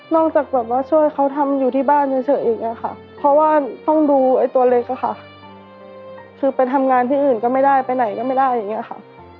จากแบบว่าช่วยเขาทำอยู่ที่บ้านเฉยอีกอะค่ะเพราะว่าต้องดูไอ้ตัวเล็กอะค่ะคือไปทำงานที่อื่นก็ไม่ได้ไปไหนก็ไม่ได้อย่างนี้ค่ะ